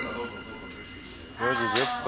４時１０分。